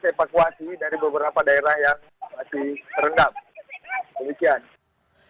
sedikitnya ada delapan ratus kepala keluarga atau hingga dua ribu jiwa yang berada di sana